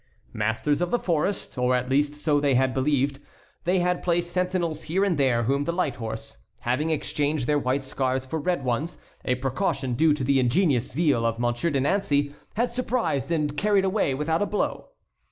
Masters of the forest, or at least so they had believed, they had placed sentinels here and there whom the light horse, having exchanged their white scarfs for red ones (a precaution due to the ingenious zeal of Monsieur de Nancey), had surprised and carried away without a blow.